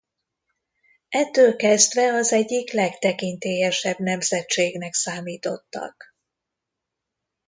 Ettől kezdve az egyik legtekintélyesebb nemzetségnek számítottak.